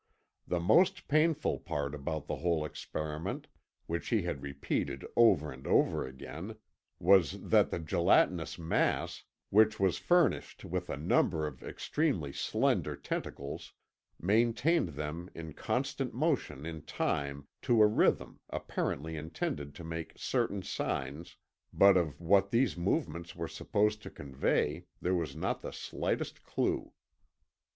The most painful part about the whole experiment which he had repeated over and over again was that the gelatinous mass, which was furnished with a number of extremely slender tentacles, maintained them in constant motion in time to a rhythm apparently intended to make certain signs, but of what these movements were supposed to convey there was not the slightest clue.